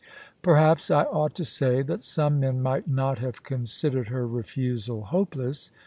Perhaps I ought to say that some men might not have considered her refusal hopeless.